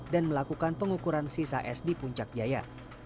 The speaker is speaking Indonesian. dan melakukan pengukuran sisa es di puncak jaya